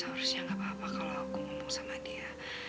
seharusnya gak apa apa kalau aku ngomong sama dia